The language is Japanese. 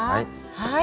はい。